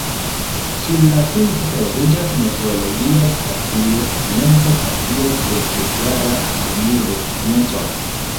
Sur la pinto troviĝas meteologia stacio, scienca stacio de Bulgara Akademio de Sciencoj.